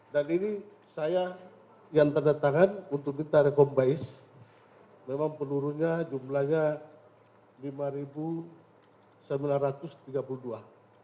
dan itu kita